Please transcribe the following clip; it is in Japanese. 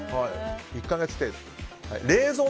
１か月程度。